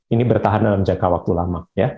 ini bertahan dalam jangka waktu lama